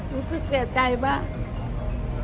รู้สึกเสียใจไหม